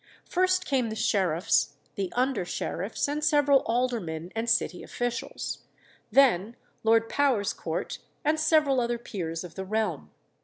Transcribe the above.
First came the sheriffs, the under sheriffs, and several aldermen and city officials, then Lord Powerscourt and several other peers of the realm.